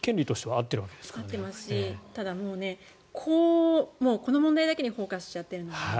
合っていますしただ、この問題だけにフォーカスしちゃっているので。